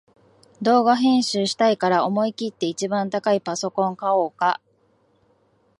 動画編集したいから思いきって一番高いパソコン買おうか